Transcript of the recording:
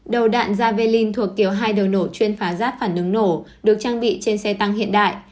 đầu đạn javelin thuộc kiểu hai đầu nổ chuyên phá giáp phản ứng nổ được trang bị trên xe tăng hiện đại